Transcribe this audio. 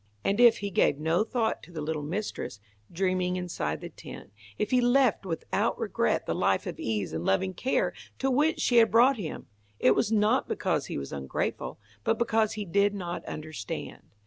And if he gave no thought to the little mistress, dreaming inside the tent, if he left without regret the life of ease and loving care to which she had brought him, it was not because he was ungrateful, but because he did not understand.